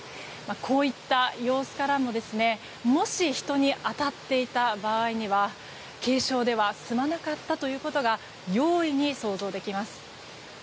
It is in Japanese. こういった様子からももし、人に当たっていた場合には軽傷では済まなかったということが容易に想像できます。